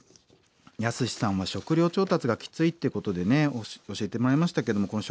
ヤスシさんは食料調達がきついっていうことでね教えてもらいましたけどもこの食事の問題